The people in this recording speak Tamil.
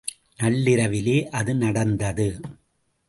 நள்ளிரவிலே அது நடந்தது.